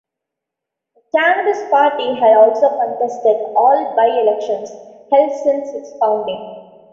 The Cannabis Party has also contested all by-elections held since its founding.